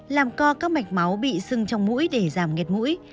làm co các mạch máu bị sưng trong mũi để giảm nghiệt mũi